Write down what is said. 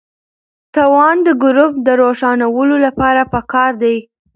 توان د ګروپ د روښانولو لپاره پکار دی.